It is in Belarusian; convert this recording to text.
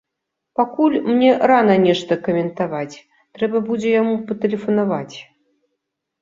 Пакуль мне рана нешта каментаваць, трэба будзе яму патэлефанаваць.